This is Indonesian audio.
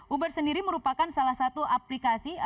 uber sendiri merupakan salah satu aplikasi